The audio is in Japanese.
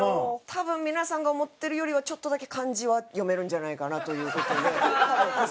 多分皆さんが思ってるよりはちょっとだけ漢字は読めるんじゃないかなという事で来させてもらって。